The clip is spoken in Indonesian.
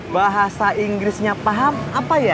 bahasa inggrisnya paham apa ya